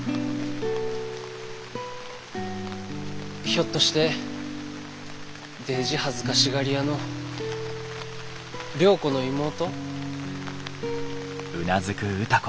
ひょっとしてデージ恥ずかしがり屋の良子の妹？